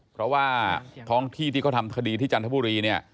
เพราะว่าท้องที่ที่เขาทำคดีที่จันทบุรีเนี่ย